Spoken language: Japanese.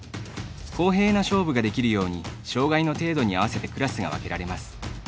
公平な勝負ができるように障がいの程度に合わせてクラスが分けられます。